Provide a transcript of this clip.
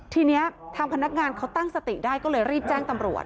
ทีนี้ทางพนักงานเขาตั้งสติได้ก็เลยรีบแจ้งตำรวจ